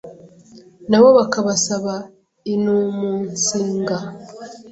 nabo bakabasaba inumunsinga.